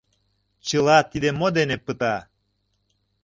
— Чыла тиде мо дене пыта?